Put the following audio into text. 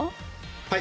はい。